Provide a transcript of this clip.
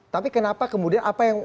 tapi kenapa kemudian